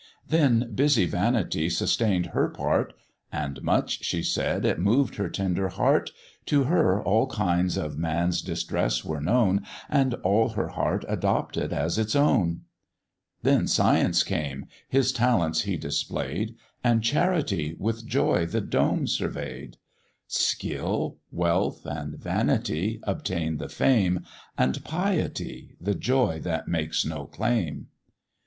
Then busy Vanity sustained her part, "And much," she said, "it moved her tender heart; To her all kinds of man's distress were known, And all her heart adopted as its own." Then Science came his talents he display'd, And Charity with joy the dome survey'd; Skill, Wealth, and Vanity, obtain the fame, And Piety, the joy that makes no claim.